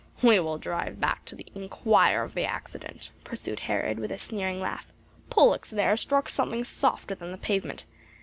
"We will drive back to inquire of the accident," pursued Herod with a sneering laugh. "Pollux there struck something softer than the pavement.